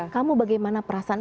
kamu bagaimana perasaan